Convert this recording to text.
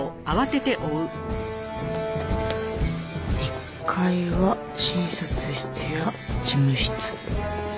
１階は診察室や事務室。